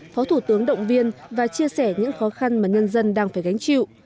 phó thủ tướng động viên và chia sẻ những khó khăn mà nhân dân đang phải gánh chịu